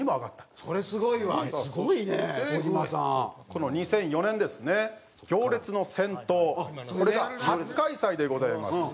この２００４年ですね「行列の先頭」これが初開催でございます。